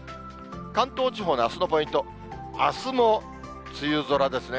関東地方のあすのポイント、あすも梅雨空ですね。